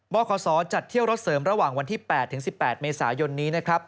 บอกขอสอจัดเที่ยวรถเสริมระหว่างวันที่๘ถึง๑๘เมษายนนี้